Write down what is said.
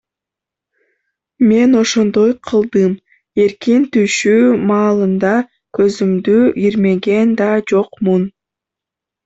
Мен ошондой кылдым, эркин түшүү маалында көзүмдү ирмеген да жокмун.